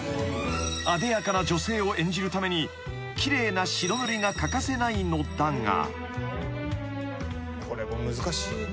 ［あでやかな女性を演じるために奇麗な白塗りが欠かせないのだが］